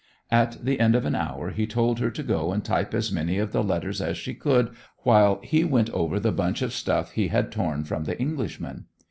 At the end of an hour he told her to go and type as many of the letters as she could while he went over the bunch of stuff he had torn from the Englishman.